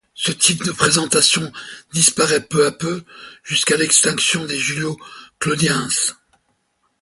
Ce type de présentation disparaît peu à peu jusqu'à l'extinction des Julio-Claudiens.